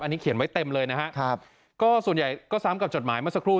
อันนี้เขียนไว้เต็มเลยนะครับก็ส่วนใหญ่ก็ซ้ำกับจดหมายเมื่อสักครู่